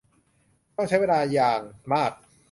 ต้องใช้เวลาอย่างมาก